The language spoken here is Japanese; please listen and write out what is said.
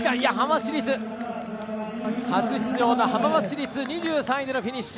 初出場の浜松市立、２３位でフィニッシュ。